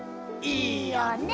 いいよね！